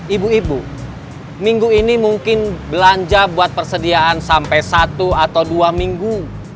ibu ibu minggu ini mungkin belanja buat persediaan sampai satu atau dua minggu